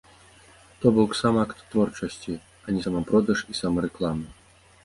То бок, сам акт творчасці, а не самапродаж і самарэклама.